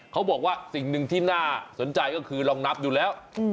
เขาบอกว่าสิ่งหนึ่งที่น่าสนใจก็คือลองนับดูแล้ว